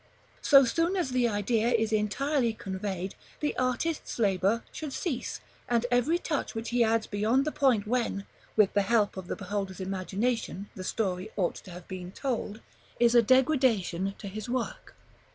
So soon as the idea is entirely conveyed, the artist's labor should cease; and every touch which he adds beyond the point when, with the help of the beholder's imagination, the story ought to have been told, is a degradation to his work.